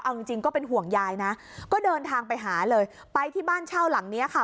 เอาจริงจริงก็เป็นห่วงยายนะก็เดินทางไปหาเลยไปที่บ้านเช่าหลังเนี้ยค่ะ